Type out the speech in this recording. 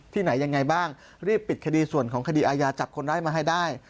ไหนยังไงบ้างรีบปิดคดีส่วนของคดีอาญาจับคนร้ายมาให้ได้